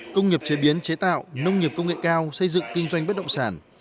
công nghiệp chế biến chế tạo nông nghiệp công nghệ cao xây dựng kinh doanh bất động sản